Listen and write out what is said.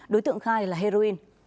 đối tượng khai là heroin